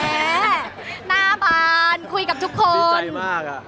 แหมหน้าป่านคุยกับทุกคน